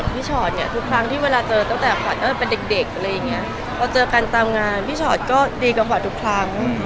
พี่ชอดก็ดีกับขวานทุกครั้ง